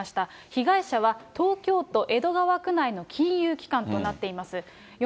被害者は東京都江戸川区内の金融機関となっています。